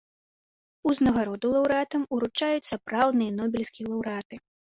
Узнагароду лаўрэатам уручаюць сапраўдныя нобелеўскія лаўрэаты.